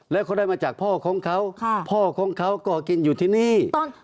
แล้วเขาได้มาจากพ่อของเขาพ่อของเขาก็กินอยู่ที่นี่